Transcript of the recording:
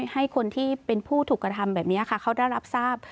ให้คนที่เป็นผู้ถูกกระทำแบบนี้ค่ะเขาได้รับทราบ